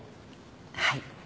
はい。